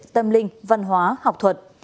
tâm linh văn hóa học thuật